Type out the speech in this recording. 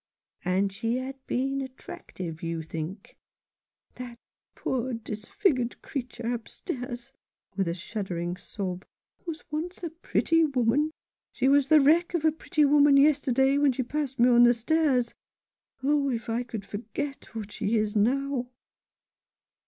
" And she had been attractive, you think ?" "That poor disfigured creature upstairs" — with a shuddering sob — "was once a pretty woman. She was the wreck of a pretty woman yesterday when she passed me on the stairs. Oh, if I could forget what she is now